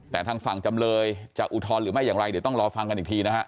แต่ทางฝั่งจำเลยจะอุทธรณ์หรือไม่อย่างไรเดี๋ยวต้องรอฟังกันอีกทีนะฮะ